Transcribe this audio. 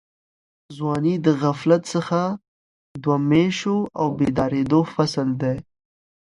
ځواني د غفلت څخه د وهمېشهو او بېدارېدو فصل دی.